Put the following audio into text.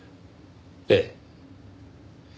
ええ。